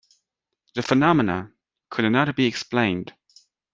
The phenomena could not be explained.